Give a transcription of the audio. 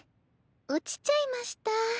落ちちゃいました。